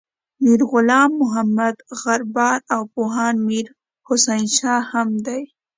میر غلام محمد غبار او پوهاند میر حسین شاه هم دي.